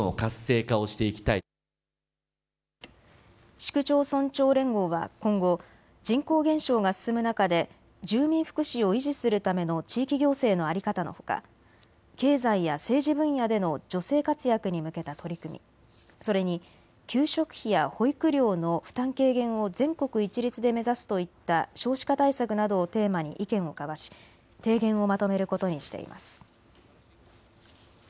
市区町村長連合は今後、人口減少が進む中で住民福祉を維持するための地域行政の在り方のほか経済や政治分野での女性活躍に向けた取り組み、それに給食費や保育料の負担軽減を全国一律で目指すといった少子化対策などをテーマに意見を交わし提言をまとめることにしています。